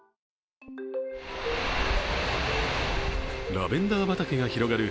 ラベンダー畑が広がる